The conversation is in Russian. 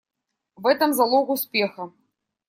В этом залог успеха.